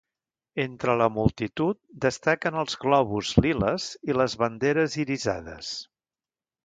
Entre la multitud destaquen els globus liles i les banderes irisades.